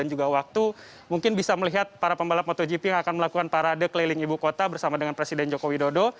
juga waktu mungkin bisa melihat para pembalap motogp yang akan melakukan parade keliling ibu kota bersama dengan presiden joko widodo